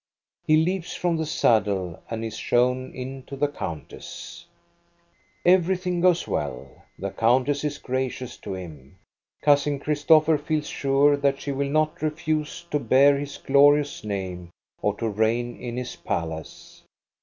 He leaps from the saddle and is shown in to the countess. COUSIN CHRISTOPHER 25 1 Everything goes well. The countess is gracious to him. Cousin Christopher feels sure that she will not refuse to bear his glorious name or to reign in his palace.